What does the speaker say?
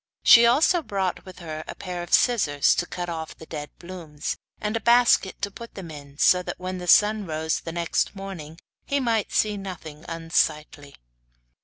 She also brought with her a pair of scissors to cut off the dead blooms, and a basket to put them in, so that when the sun rose next morning he might see nothing unsightly.